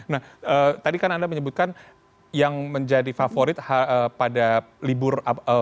nah tadi kan anda menyebutkan yang menjadi favorit pada libur